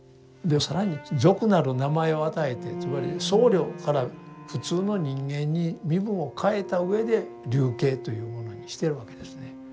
で更に俗なる名前を与えてつまり僧侶から普通の人間に身分を変えたうえで流刑というものにしてるわけですね。